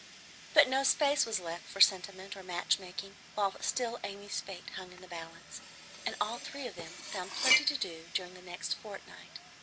But no space was left for sentiment or match making while still Amy's fate hung in the balance, and all three of them found plenty to do during the next fortnight.